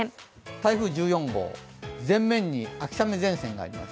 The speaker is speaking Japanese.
台風１４号、前面に秋雨前線があります。